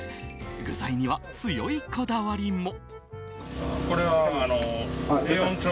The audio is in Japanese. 具材には強いこだわりも。